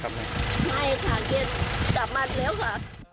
กลับมาเร็วค่ะ